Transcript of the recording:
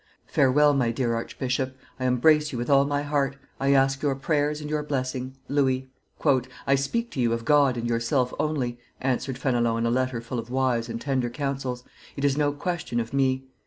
Farewell, my dear archbishop. I embrace you with all my heart; I ask your prayers and your blessing. Louis." "I speak to you of God and yourself only," answered Fenelon in a letter full of wise and tender counsels; it is no question of me.